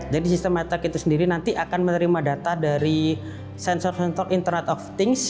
jadi sistem matrex itu sendiri nanti akan menerima data dari sensor sensor internet of things